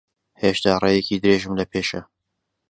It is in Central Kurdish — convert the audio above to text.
هێشتا ڕێیەکی درێژم لەپێشە.